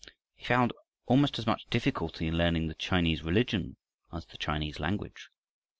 He found almost as much difficulty in learning the Chinese religion as the Chinese language.